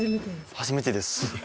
初めてです。